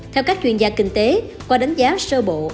theo các chuyên gia kinh tế qua đánh giá sơ bộ